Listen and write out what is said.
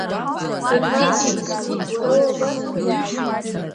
Иҳақәиҭу, Уара уабацои?